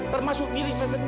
termasuk diri saya sendiri